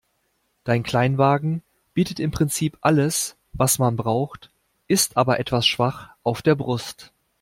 Dein Kleinwagen bietet im Prinzip alles, was man braucht, ist aber etwas schwach auf der Brust.